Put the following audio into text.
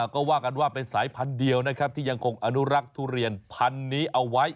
ก็ว่ากันว่าเป็นสายพันธุ์เดียวนะครับที่ยังคงอนุรักษ์ทุเรียนพันธุ์นี้เอาไว้